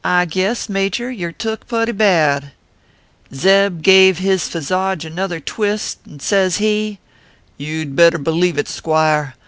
guess, Major, you re took putty bad/ " Zeb gave his phizog another twist, an says he :" You d better believe it, squire.